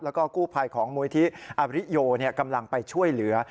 แล้วก็กู้ภัยของมวยธิอบริโยเนี่ยกำลังไปช่วยเหลือ